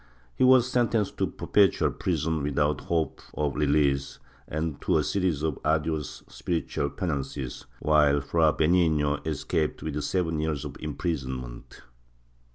He was sentenced to perpetual prison, without hope of release, and to a series of arduous spiritual penances, while Fra Benigno escaped with seven years of imprisonment."